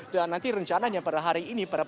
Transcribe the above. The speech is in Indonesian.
dan nanti rencananya pada hari ini